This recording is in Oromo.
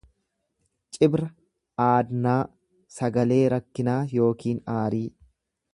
Cibra aadnaa, sagalee rakkinaa yookiin aarii.